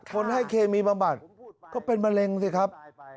คนให้เคมีบำบัดก็เป็นมะเร็งสิครับ